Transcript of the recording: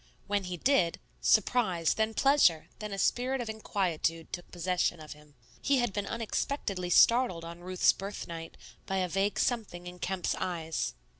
When he did, surprise, then pleasure, then a spirit of inquietude, took possession of him. He had been unexpectedly startled on Ruth's birthnight by a vague something in Kemp's eyes.